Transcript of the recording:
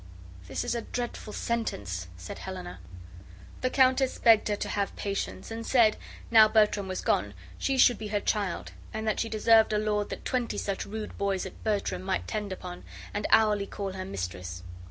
"This is a dreadful sentence!" said Helena. The countess begged her to have patience, and said, now Bertram was gone, she should be her child and that she deserved a lord that twenty such rude boys as Bertram might tend upon, and hourly call her mistress.